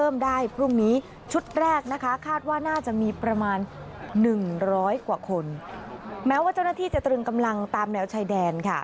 แม้ว่าเจ้าหน้าที่จะตรึงกำลังตามแนวชายแดนค่ะ